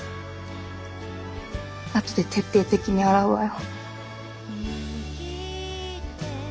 後で徹底的に洗うわよ。